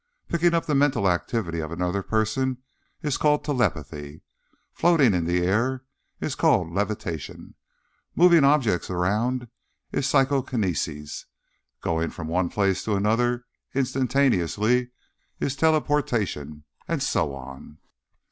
Picking up the mental activity of another person is called telepathy. Floating in the air is called levitation. Moving objects around is psychokinesis. Going from one place to another instantaneously is teleportation. And so on."